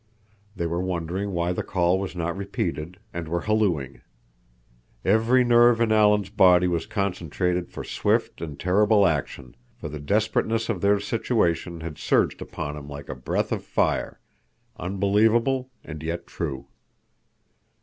They were wondering why the call was not repeated, and were hallooing. Every nerve in Alan's body was concentrated for swift and terrible action, for the desperateness of their situation had surged upon him like a breath of fire, unbelievable, and yet true.